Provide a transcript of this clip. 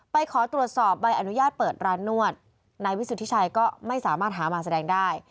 ขอตรวจสอบใบอนุญาตเปิดร้านนวดนายวิสุทธิชัยก็ไม่สามารถหามาแสดงได้